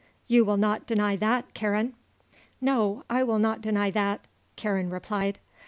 You will not deny that, Karen?" "No. I will not deny that," Karen replied.